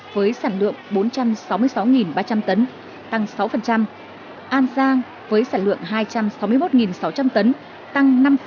với sản lượng bốn trăm sáu mươi sáu ba trăm linh tấn tăng sáu an giang với sản lượng hai trăm sáu mươi một sáu trăm linh tấn tăng năm